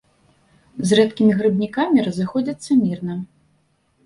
З рэдкімі грыбнікамі разыходзяцца мірна.